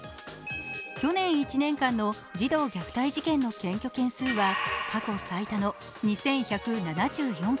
去年１年間の児童虐待事件の検挙件数は過去最多の２１７４件。